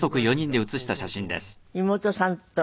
妹さんと。